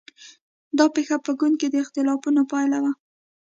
دا پېښه په ګوند کې د اختلافونو پایله وه.